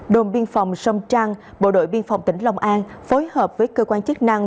đồn biên phòng sông trang bộ đội biên phòng tỉnh long an phối hợp với cơ quan chức năng